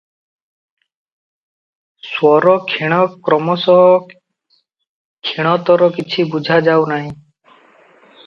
ସ୍ୱର କ୍ଷୀଣ କ୍ରମଶଃ କ୍ଷୀଣତର କିଛି ବୁଝା ଯାଉ ନାହିଁ ।